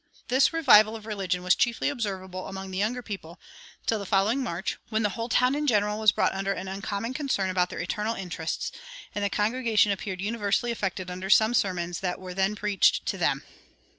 This revival of religion was chiefly observable among the younger people, till the following March, when the whole town in general was brought under an uncommon concern about their eternal interests, and the congregation appeared universally affected under some sermons that were then preached to them."